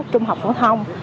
trung học phổ thông